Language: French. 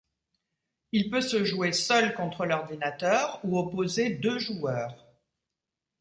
Il peut se jouer seul contre l’ordinateur, ou opposer deux joueurs.